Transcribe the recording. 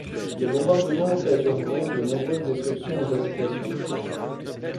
Les bombardements occasionneront de nombreuses destructions aux habitations.